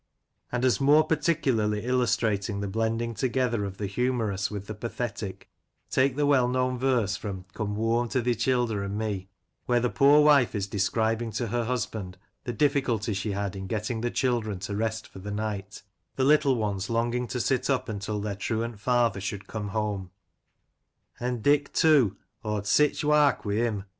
And, as more particularly illustrating the blending together of the humorous with the pathetic, take the well known verse from " Come whoam to thi Childer an' me," where the poor wife is describing to her husband the difficulty she had in getting the children to rest for the night, the little ones longing to sit up until their truant father should come home : An* Dick, too, aw*d sich wark wi' him.